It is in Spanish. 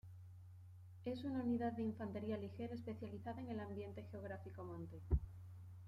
Es una unidad de infantería ligera especializada en el ambiente geográfico monte.